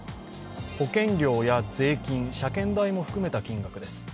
保険料や税金、車検代も含めた金額です。